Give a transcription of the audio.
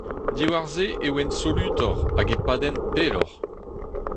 Diwar-se e oant solutoc'h hag e padent pelloc'h.